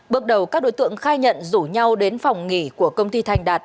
bước đầu các đối tượng khai nhận rủ nhau đến phòng nghỉ của công ty thành đạt